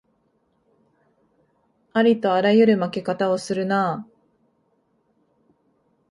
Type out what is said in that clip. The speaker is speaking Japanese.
ありとあらゆる負け方をするなあ